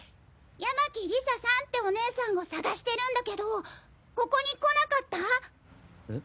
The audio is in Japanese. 山喜理沙さんってお姉さんを捜してるんだけどここに来なかった？え！？